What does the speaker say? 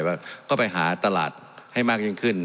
แล้วก็ไปหาตลาดให้มากยิ่งขึ้น